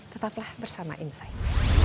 tetaplah bersama insight